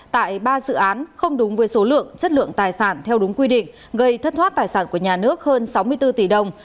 tại ba dự án không đúng với số lượng chất lượng tài sản theo đúng quy định gây thất thoát tài sản của nhà nước hơn sáu mươi bốn tỷ đồng